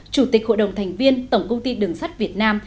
chủ tịch hội đồng thành viên tổng công ty đường sắt việt nam